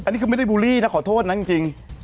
อันนี้คือไม่ได้บูลลี่นะขอโทษนะจริง